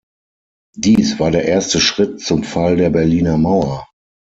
Dies war der erste Schritt zum Fall der Berliner Mauer.